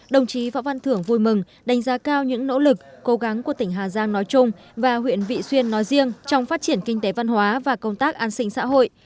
đồng chí võ văn thưởng vui mừng đánh giá cao những nỗ lực cố gắng của tỉnh hà giang nói chung và huyện vị xuyên nói riêng trong phát triển kinh tế văn hóa và công tác an sinh xã hội